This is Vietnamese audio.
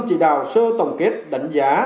chỉ đạo sơ tổng kết đánh giá